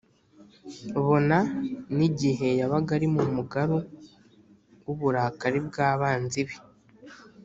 bona n’igihe yabaga ari mu mugaru w’uburakari bw’abanzi be